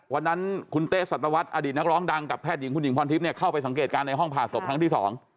วันนั้นคุณเต๊สัตวรรษอดีตนักร้องดังกับแพทย์หญิงคุณหญิงพรทิพย์เนี่ยเข้าไปสังเกตการณ์ในห้องผ่าศพครั้งที่๒